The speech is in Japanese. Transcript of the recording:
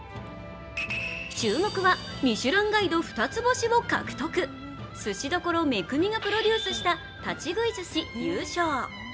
注目は、ミシュランガイド二つ星を獲得すし処めくみがプロデュースした立ち食い鮨優勝。